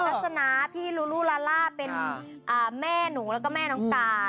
ลักษณะพี่ลูลูลาล่าเป็นแม่หนูแล้วก็แม่น้องตา